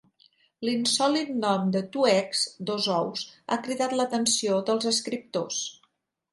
L'insòlit nom de Two Egg (dos ous) ha cridat l'atenció dels escriptors.